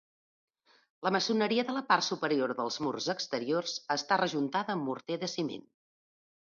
La maçoneria de la part superior dels murs exteriors està rejuntada amb morter de ciment.